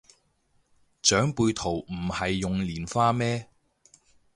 長輩圖唔係用蓮花咩